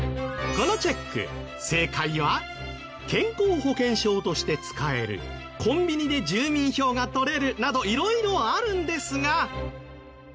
このチェック正解は健康保険証として使えるコンビニで住民票が取れるなど色々あるんですが。